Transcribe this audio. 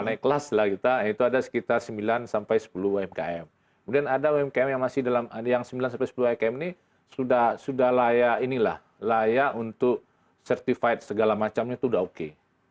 naik kelas lah kita itu ada sekitar sembilan sampai sepuluh umkm kemudian ada umkm yang masih dalam yang sembilan sampai sepuluh umkm ini sudah layak inilah layak untuk certified segala macamnya itu sudah oke